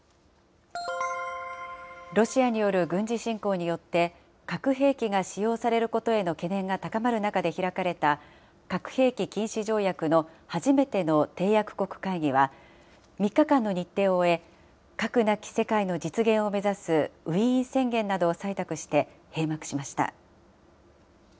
ロシアによる軍事侵攻によって、核兵器が使用されることへの懸念が高まる中で開かれた核兵器禁止条約の初めての締約国会議は、３日間の日程を終え、核なき世界の実現を目指すウィーン宣言などを採択して閉幕しました。